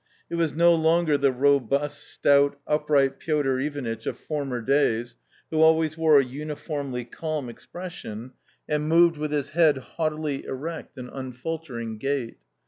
It was"noTonger the robust, stout, upright Piotr Ivanitch of former days, who always wore a uniformly calm expression, and moved with his head haughtily erect and unfaltering gait.